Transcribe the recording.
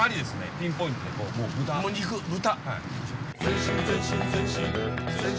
ピンポイントでもう豚。